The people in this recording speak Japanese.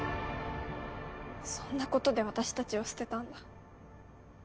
そんな事で私たちを捨てたんだ。